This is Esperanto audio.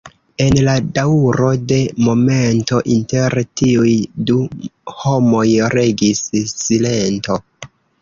En la daŭro de momento inter tiuj du homoj regis silento.